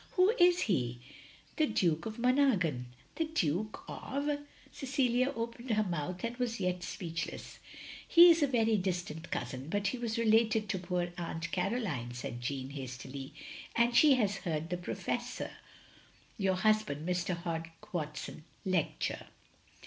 "Who is he?" " The Duke of Monaghan. " "The Duke of —!" Cecilia opened her mouth and was yet speechless. "He is a very distant cousin, but he was re lated to poor Aunt Caroline —" said Jeanne, hastily, " and he has heard the Prof — ^your hus — Mr. Hogg Watson lecture."